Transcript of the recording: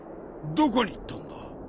どこに行ったんだ？